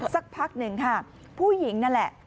สักพักหนึ่งค่ะผู้หญิงนั่นแหละ